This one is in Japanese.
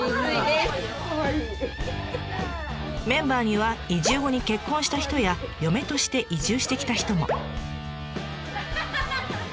メンバーには移住後に結婚した人や嫁として移住してきた人も。